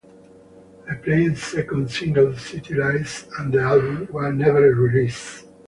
A planned second single, "City Lights", and the album were never released.